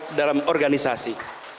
bergerak dalam organisasi